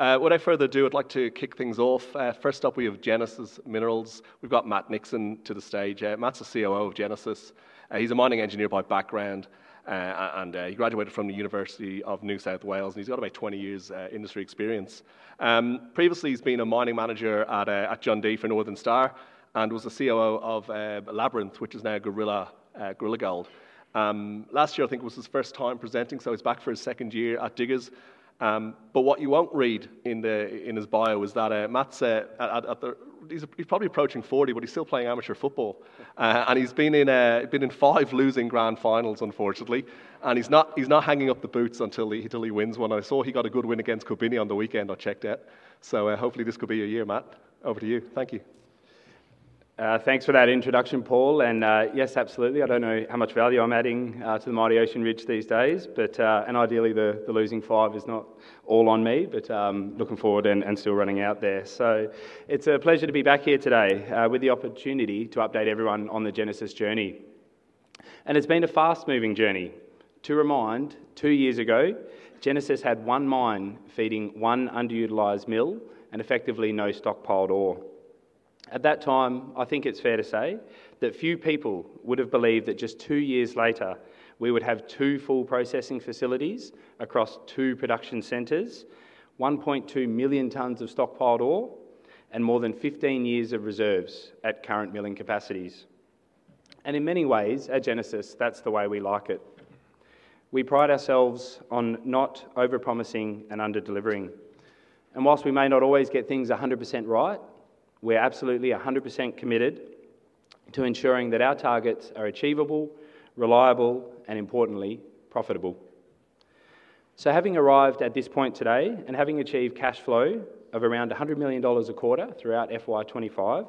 Without further ado, I'd like to kick things off. First up, we have Genesis Minerals. We've got Matt Nixon to the stage. Matt's the COO of Genesis. He's a mining engineer by background, and he graduated from the University of New South Wales, and he's got about 20 years' industry experience. Previously, he's been a mining manager at Jundee for Northern Star and was the COO of Labyrinth, which is now Gorilla Gold. Last year, I think it was his first time presenting, so he's back for his second year at Diggers. What you won't read in his bio is that Matt's a, he's probably approaching 40, but he's still playing amateur football. He's been in five losing grand finals, unfortunately. He's not hanging up the boots until he wins one. I saw he got a good win against Kobeni on the weekend. I checked it. Hopefully this could be your year, Matt. Over to you. Thank you. Thanks for that introduction, Paul. Yes, absolutely. I don't know how much value I'm adding to the mighty Ocean Ridge these days, but ideally the losing five is not all on me, but looking forward and still running out there. It's a pleasure to be back here today with the opportunity to update everyone on the Genesis journey. It's been a fast-moving journey. To remind, two years ago, Genesis had one mine feeding one underutilized mill and effectively no stockpiled ore. At that time, I think it's fair to say that few people would have believed that just two years later we would have two full processing facilities across two production centers, 1.2 million tons of stockpiled ore, and more than 15 years of reserves at current milling capacities. In many ways, at Genesis, that's the way we like it. We pride ourselves on not overpromising and under-delivering. Whilst we may not always get things 100% right, we're absolutely 100% committed to ensuring that our targets are achievable, reliable, and importantly, profitable. Having arrived at this point today and having achieved cash flow of around 100 million dollars a quarter throughout FY 2025,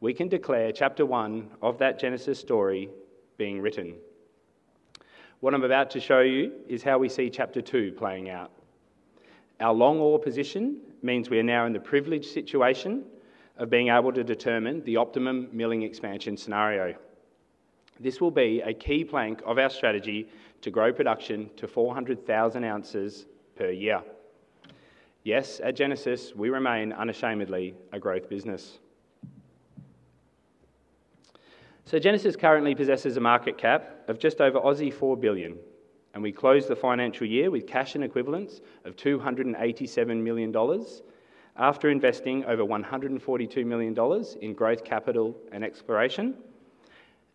we can declare chapter one of that Genesis story being written. What I'm about to show you is how we see chapter two playing out. Our long ore position means we are now in the privileged situation of being able to determine the optimum milling expansion scenario. This will be a key plank of our strategy to grow production to 400,000 ounces per year. Yes, at Genesis, we remain unashamedly a growth business. Genesis currently possesses a market cap of just over 4 billion, and we closed the financial year with cash and equivalents of 287 million dollars after investing over 142 million dollars in growth capital and exploration,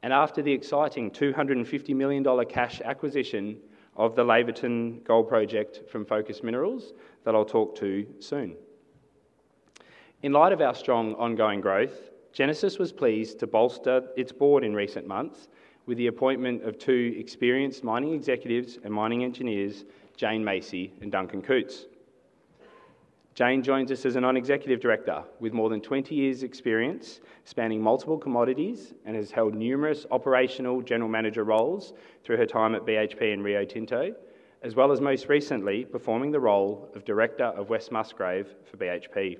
and after the exciting 250 million dollar cash acquisition of the Laverton Gold Project from Focus Minerals that I'll talk to soon. In light of our strong ongoing growth, Genesis was pleased to bolster its board in recent months with the appointment of two experienced mining executives and mining engineers, Jane Macey and Duncan Coutts. Jane joins us as a Non-Executive Director with more than 20 years' experience spanning multiple commodities and has held numerous operational General Manager roles through her time at BHP and Rio Tinto, as well as most recently performing the role of Director of West Musgrave for BHP.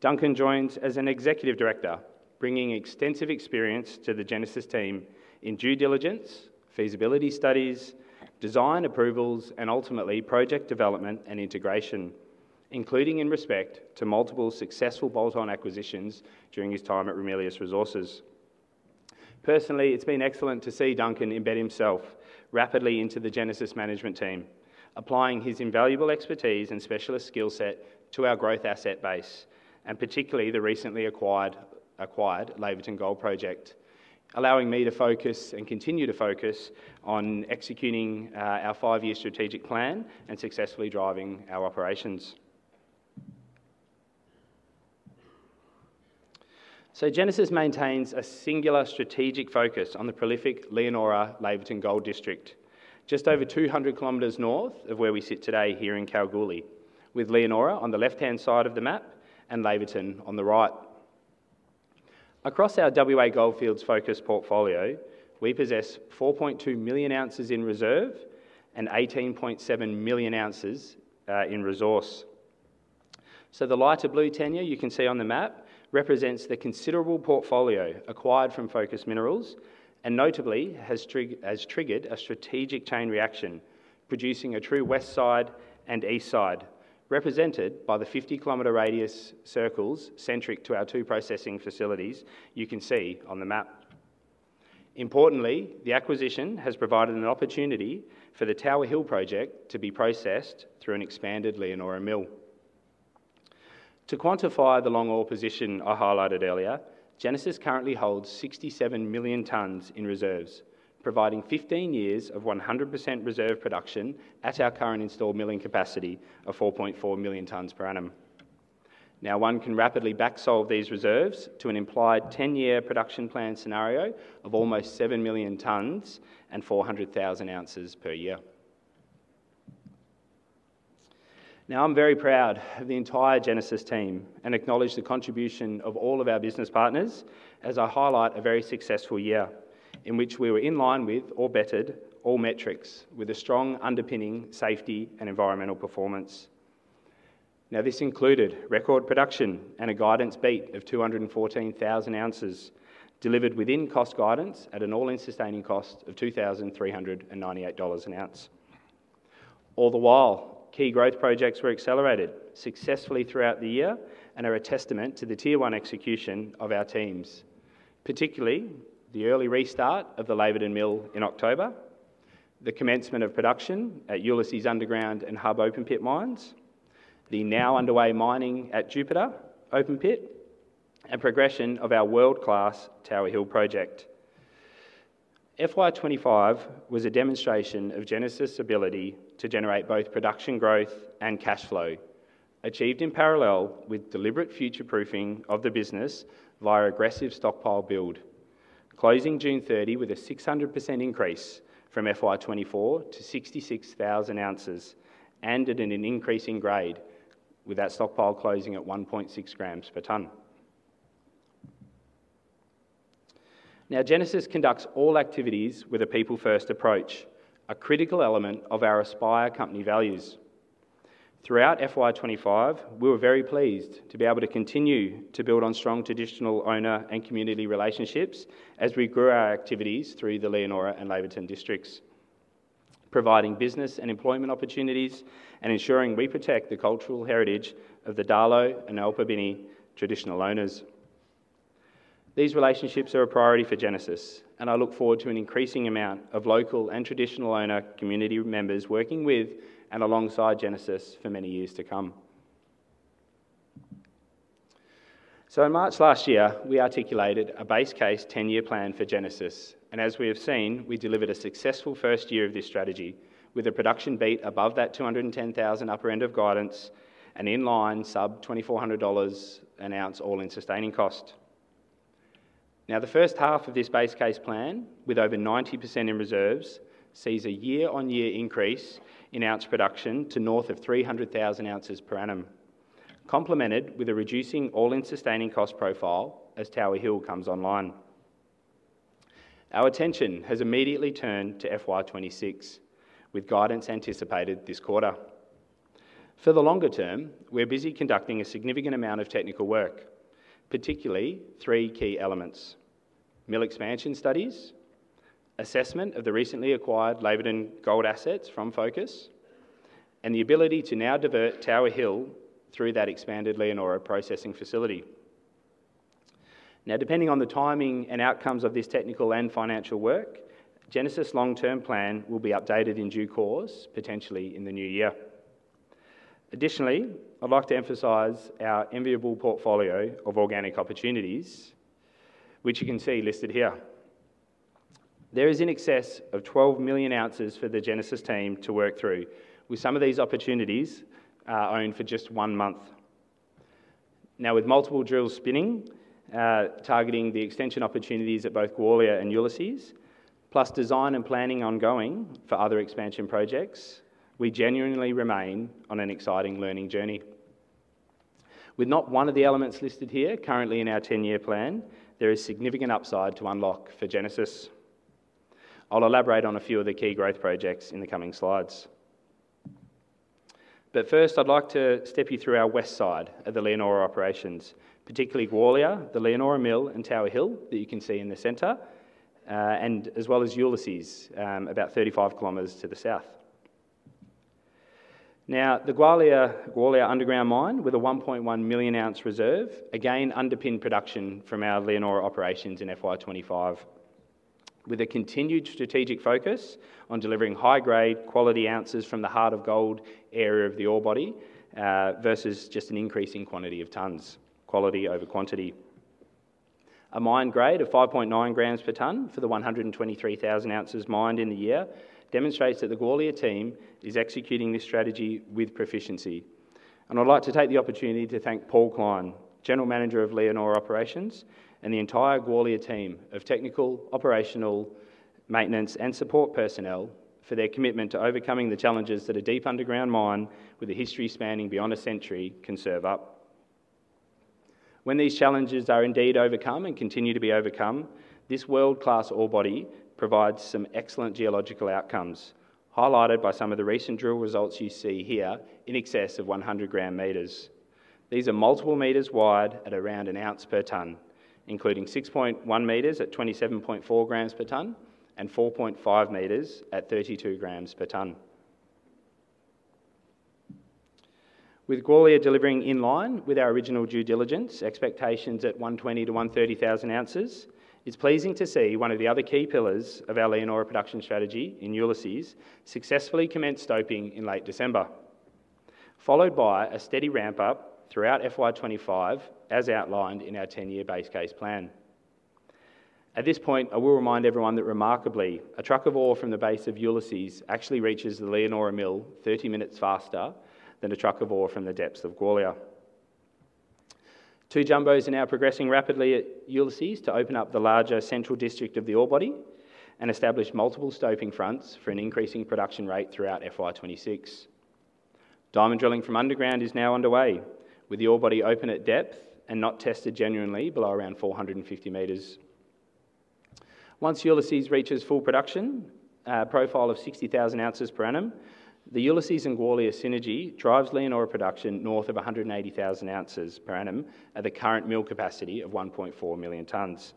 Duncan joins as an Executive Director, bringing extensive experience to the Genesis team in due diligence, feasibility studies, design approvals, and ultimately project development and integration, including in respect to multiple successful bolt-on acquisitions during his time at Ramelius Resources. Personally, it's been excellent to see Duncan embed himself rapidly into the Genesis management team, applying his invaluable expertise and specialist skill set to our growth asset base, and particularly the recently acquired Laverton Gold Project, allowing me to focus and continue to focus on executing our five-year strategic plan and successfully driving our operations. Genesis maintains a singular strategic focus on the prolific Leonora-Laverton gold district, just over 200 kilometers north of where we sit today here in Kalgoorlie, with Leonora on the left-hand side of the map and Laverton on the right. Across our WA Goldfields focus portfolio, we possess 4.2 million ounces in reserves and 18.7 million ounces in resources. The lighter blue tenure you can see on the map represents the considerable portfolio acquired from Focus Minerals and notably has triggered a strategic chain reaction, producing a true west side and east side, represented by the 50-kilometer radius circles centric to our two processing facilities you can see on the map. Importantly, the acquisition has provided an opportunity for the Tower Hill project to be processed through an expanded Leonora mill. To quantify the long ore position I highlighted earlier, Genesis currently holds 67 million tons in reserves, providing 15 years of 100% reserve production at our current installed milling capacity of 4.4 million tons per annum. One can rapidly back-solve these reserves to an implied 10-year production plan scenario of almost 7 million tons and 400,000 ounces per year. I'm very proud of the entire Genesis team and acknowledge the contribution of all of our business partners as I highlight a very successful year in which we were in line with or bettered all metrics with a strong underpinning safety and environmental performance. This included record production and a guidance beat of 214,000 ounces, delivered within cost guidance at an all-in sustaining cost of 2,398 dollars an ounce. All the while, key growth projects were accelerated successfully throughout the year and are a testament to the tier-one execution of our teams, particularly the early restart of the Laverton mill in October, the commencement of production at Ulysses Underground and Hub Open Pit mines, the now underway mining at Jupiter Open Pit, and progression of our world-class Tower Hill project. FY 2025 was a demonstration of Genesis' ability to generate both production growth and cash flow, achieved in parallel with deliberate future-proofing of the business via aggressive stockpile build, closing June 30 with a 600% increase from FY 2024 to 66,000 ounces, and at an increasing grade with that stockpile closing at 1.6 g per ton. Genesis conducts all activities with a people-first approach, a critical element of our aspire company values. Throughout FY 2025, we were very pleased to be able to continue to build on strong traditional owner and community relationships as we grew our activities through the Leonora and Laverton districts, providing business and employment opportunities and ensuring we protect the cultural heritage of the Darlot and Nyalpa Pirniku traditional owners. These relationships are a priority for Genesis, and I look forward to an increasing amount of local and traditional owner community members working with and alongside Genesis for many years to come. In March last year, we articulated a base case 10-year plan for Genesis, and as we have seen, we delivered a successful first year of this strategy with a production beat above that 210,000 upper end of guidance and in line sub 2,400 dollars an ounce all-in sustaining cost. The first half of this base case plan, with over 90% in reserves, sees a year-on-year increase in ounce production to north of 300,000 ounces per annum, complemented with a reducing all-in sustaining cost profile as Tower Hill comes online. Our attention has immediately turned to FY 2026, with guidance anticipated this quarter. For the longer term, we're busy conducting a significant amount of technical work, particularly three key elements: mill expansion studies, assessment of the recently acquired Laverton Gold assets from Focus, and the ability to now divert Tower Hill through that expanded Leonora processing facility. Depending on the timing and outcomes of this technical and financial work, Genesis' long-term plan will be updated in due course, potentially in the new year. Additionally, I'd like to emphasize our enviable portfolio of organic opportunities, which you can see listed here. There is in excess of 12 million ounces for the Genesis team to work through, with some of these opportunities owned for just one month. Now, with multiple drills spinning, targeting the extension opportunities at both Gwalia and Ulysses, plus design and planning ongoing for other expansion projects, we genuinely remain on an exciting learning journey. With not one of the elements listed here currently in our 10-year plan, there is significant upside to unlock for Genesis. I'll elaborate on a few of the key growth projects in the coming slides. First, I'd like to step you through our west side of the Leonora operations, particularly Gwalia, the Leonora mill, and Tower Hill that you can see in the center, as well as Ulysses, about 35 kilometers to the south. Now, the Gwalia underground mine with a 1.1 million ounce reserve, again underpins production from our Leonora operations in FY 2025, with a continued strategic focus on delivering high-grade quality ounces from the heart of gold area of the ore body versus just an increasing quantity of tons, quality over quantity. A mine grade of 5.9 g per ton for the 123,000 ounces mined in the year demonstrates that the Gwalia team is executing this strategy with proficiency. I'd like to take the opportunity to thank Paul Kline, General Manager of Leonora operations, and the entire Gwalia team of technical, operational, maintenance, and support personnel for their commitment to overcoming the challenges that a deep underground mine with a history spanning beyond a century can serve up. When these challenges are indeed overcome and continue to be overcome, this world-class ore body provides some excellent geological outcomes, highlighted by some of the recent drill results you see here in excess of 100 gram meters. These are multiple meters wide at around an ounce per ton, including 6.1 meters at 27.4 g per ton and 4.5 meters at 32 g per ton. With Gwalia delivering in line with our original due diligence expectations at 120,000-130,000 ounces, it's pleasing to see one of the other key pillars of our Leonora production strategy in Ulysses successfully commence stoping in late December, followed by a steady ramp-up throughout FY 2025 as outlined in our 10-year base case plan. At this point, I will remind everyone that remarkably, a truck of ore from the base of Ulysses actually reaches the Leonora mill 30 minutes faster than a truck of ore from the depths of Gwalia. Two jumbos are now progressing rapidly at Ulysses to open up the larger central district of the ore body and establish multiple stoping fronts for an increasing production rate throughout FY 2026. Diamond drilling from underground is now underway, with the ore body open at depth and not tested genuinely below around 450 meters. Once Ulysses reaches full production, a profile of 60,000 ounces per annum, the Ulysses and Gwalia synergy drives Leonora production north of 180,000 ounces per annum at the current mill capacity of 1.4 million tons,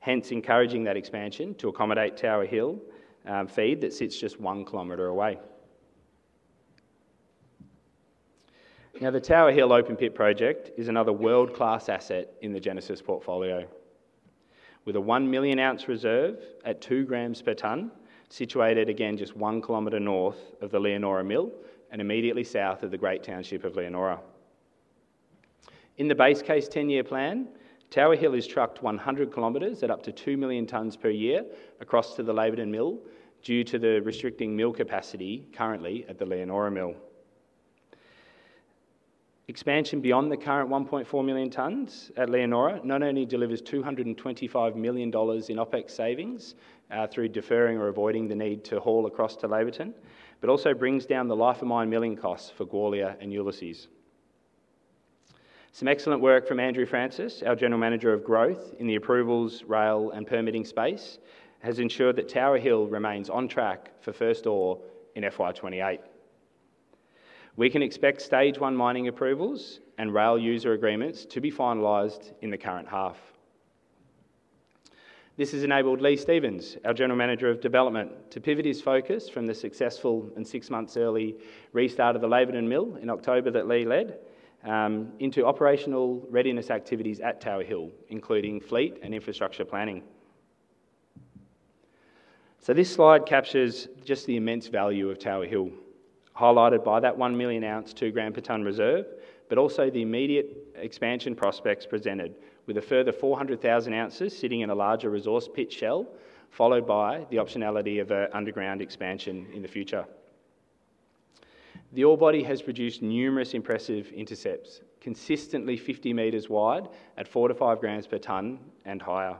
hence encouraging that expansion to accommodate Tower Hill feed that sits just one kilometer away. Now, the Tower Hill Open Pit project is another world-class asset in the Genesis portfolio, with a 1 million ounce reserve at 2 g per ton, situated again just one kilometer north of the Leonora mill and immediately south of the great township of Leonora. In the base case 10-year plan, Tower Hill is trucked 100 kilometers at up to 2 million tons per year across to the Laverton mill due to the restricting mill capacity currently at the Leonora mill. Expansion beyond the current 1.4 million tons at Leonora not only delivers 225 million dollars in OpEx savings through deferring or avoiding the need to haul across to Laverton, but also brings down the life of mine milling costs for Gwalia and Ulysses. Some excellent work from Andrew Francis, our General Manager of Growth in the approvals, rail, and permitting space, has ensured that Tower Hill remains on track for first ore in FY 2028. We can expect stage one mining approvals and rail user agreements to be finalized in the current half. This has enabled Lee Stevens, our General Manager of Development, to pivot his focus from the successful and six months early restart of the Laverton mill in October that Lee led into operational readiness activities at Tower Hill, including fleet and infrastructure planning. This slide captures just the immense value of Tower Hill, highlighted by that 1 million ounce, 2 g per ton reserve, but also the immediate expansion prospects presented with a further 400,000 ounces sitting in a larger resource pit shell, followed by the optionality of an underground expansion in the future. The ore body has produced numerous impressive intercepts, consistently 50 m wide at 4 g-5 g per ton and higher.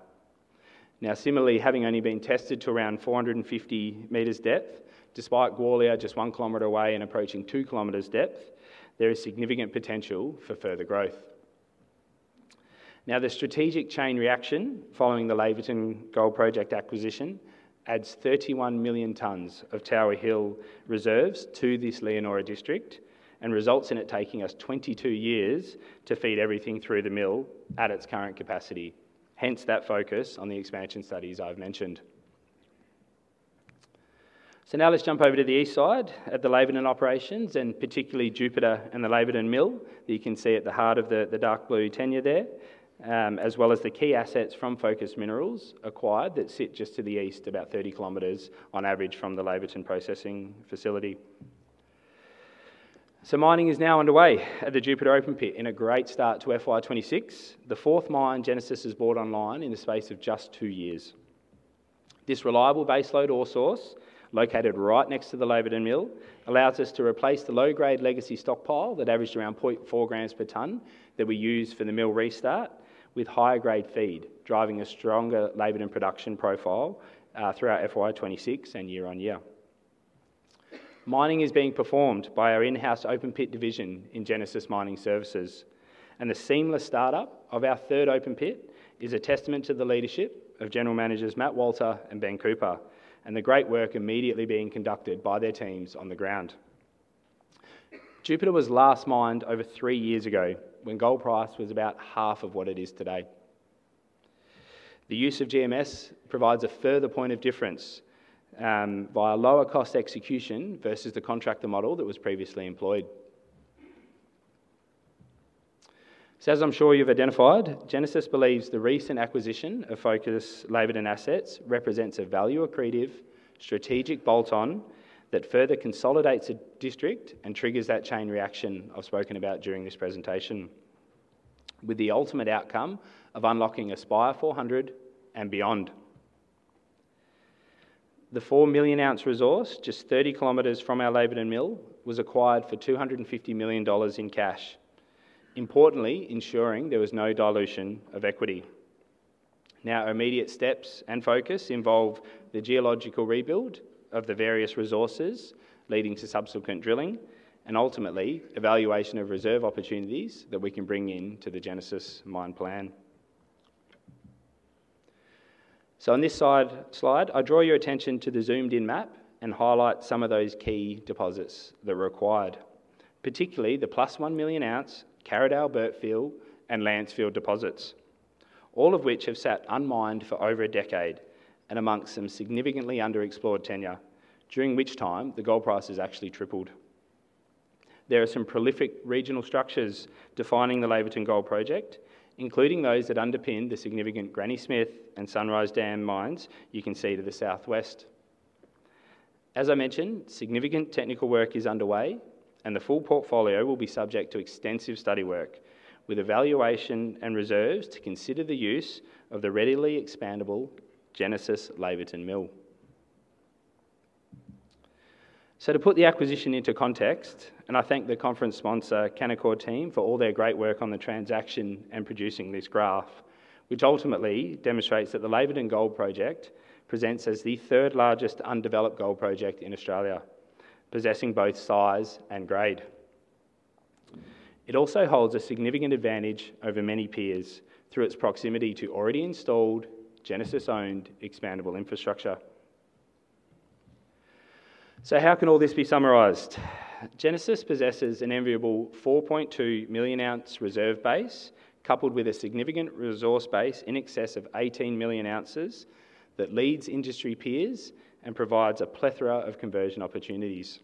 Now, similarly, having only been tested to around 450 m depth, despite Gwalia just 1 km away and approaching 2 km depth, there is significant potential for further growth. The strategic chain reaction following the Laverton Gold Project acquisition adds 31 million tons of Tower Hill reserves to this Leonora district and results in it taking us 22 years to feed everything through the mill at its current capacity, hence that focus on the expansion studies I've mentioned. Now let's jump over to the east side at the Laverton operations and particularly Jupiter and the Laverton mill that you can see at the heart of the dark blue tenure there, as well as the key assets from Focus Minerals acquired that sit just to the east, about 30 km on average from the Laverton processing facility. Mining is now underway at the Jupiter Open Pit in a great start to FY 2026, the fourth mine Genesis Minerals has brought online in the space of just two years. This reliable baseload ore source located right next to the Laverton mill allows us to replace the low-grade legacy stockpile that averaged around 0.4 g per ton that we used for the mill restart with higher grade feed, driving a stronger Laverton production profile throughout FY 2026 and year on year. Mining is being performed by our in-house Open Pit division in Genesis Mining Services, and the seamless startup of our third Open Pit is a testament to the leadership of General Managers Matt Walter and Ben Cooper and the great work immediately being conducted by their teams on the ground. Jupiter was last mined over three years ago when gold price was about half of what it is today. The use of GMS provides a further point of difference by a lower cost execution versus the contractor model that was previously employed. As I'm sure you've identified, Genesis believes the recent acquisition of Focus Laverton assets represents a value accretive strategic bolt-on that further consolidates a district and triggers that chain reaction I've spoken about during this presentation, with the ultimate outcome of unlocking Aspire 400 and beyond. The 4 million ounce resource just 30 km from our Laverton mill was acquired for 250 million dollars in cash, importantly ensuring there was no dilution of equity. Now, our immediate steps and focus involve the geological rebuild of the various resources leading to subsequent drilling and ultimately evaluation of reserve opportunities that we can bring into the Genesis mine plan. On this slide, I draw your attention to the zoomed-in map and highlight some of those key deposits that are required, particularly the +1 million ounce Karridale, Burtville, and Lancefield deposits, all of which have sat unmined for over a decade and amongst some significantly underexplored tenure, during which time the gold price has actually tripled. There are some prolific regional structures defining the Laverton Gold Project, including those that underpin the significant Granny Smith and Sunrise Dam mines you can see to the southwest. As I mentioned, significant technical work is underway and the full portfolio will be subject to extensive study work with evaluation and reserves to consider the use of the readily expandable Genesis Laverton mill. To put the acquisition into context, I thank the conference sponsor Canaccord team for all their great work on the transaction and producing this graph, which ultimately demonstrates that the Laverton Gold Project presents as the third largest undeveloped gold project in Australia, possessing both size and grade. It also holds a significant advantage over many peers through its proximity to already installed Genesis-owned expandable infrastructure. How can all this be summarized? Genesis possesses an enviable 4.2 million ounce reserve base, coupled with a significant resource base in excess of 18 million ounces that leads industry peers and provides a plethora of conversion opportunities.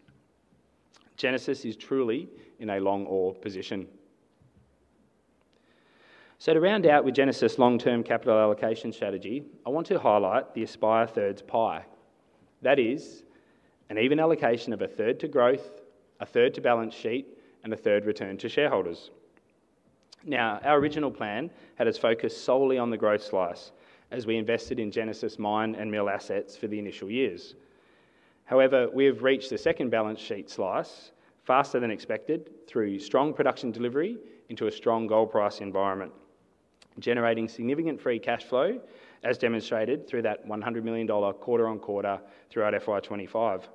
Genesis is truly in a long ore position. To round out with Genesis' long-term capital allocation strategy, I want to highlight the ASPIRE Thirds pie. That is an even allocation of a third to growth, a third to balance sheet, and a third return to shareholders. Our original plan had us focus solely on the growth slice as we invested in Genesis mine and mill assets for the initial years. However, we have reached the second balance sheet slice faster than expected through strong production delivery into a strong gold price environment, generating significant free cash flow, as demonstrated through that 100 million dollar quarter on quarter throughout FY 2025.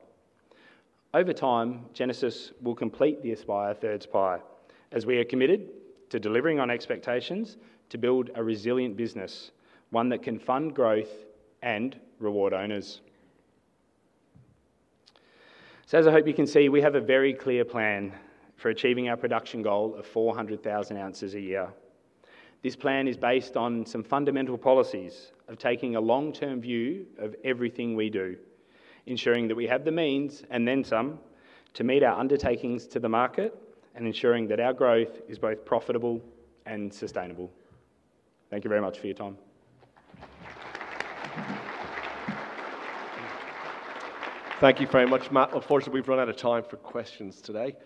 Over time, Genesis will complete the ASPIRE Thirds pie as we are committed to delivering on expectations to build a resilient business, one that can fund growth and reward owners. As I hope you can see, we have a very clear plan for achieving our production goal of 400,000 ounces a year. This plan is based on some fundamental policies of taking a long-term view of everything we do, ensuring that we have the means and then some to meet our undertakings to the market, and ensuring that our growth is both profitable and sustainable. Thank you very much for your time. Thank you very much, Matt. Unfortunately, we've run out of time for questions today.